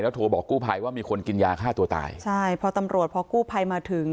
โทรบอกกู้ภัยว่ามีคนกินยาฆ่าตัวตายใช่พอตำรวจพอกู้ภัยมาถึง